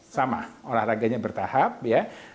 sama olahraganya bertahap ya